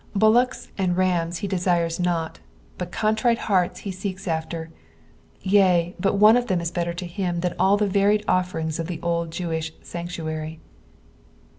Bullocks and rams he desires not, but contrite hearts he seeks after ; yea, but one of them is better to him than all the varied offerings of the old Jewish sanctuary.